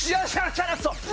チャラッソ！